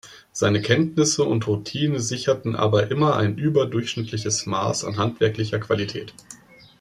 Seine Kenntnisse und Routine sicherten aber immer ein überdurchschnittliches Maß an handwerklicher Qualität.